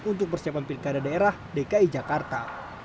untuk persiapan pilih karya daerah dki jakarta